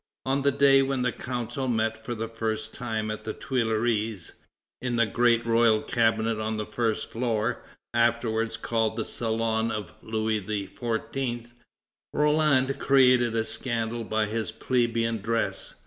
On the day when the Council met for the first time at the Tuileries (in the great royal cabinet on the first floor, afterwards called the Salon of Louis XIV.), Roland created a scandal by his plebeian dress.